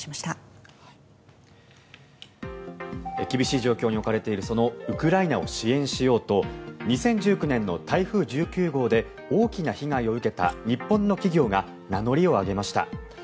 厳しい状況に置かれているウクライナを支援しようと２０１９年の台風１９号で大きな被害を受けた日本の企業が名乗りを上げました。